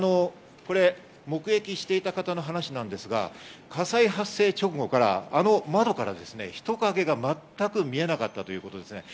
目撃した方の話なんですが、火災発生直後からあの窓から人影が全く見えなかったということです。